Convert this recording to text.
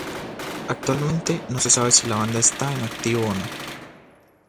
Actualmente no se sabe si la banda está en activo o no.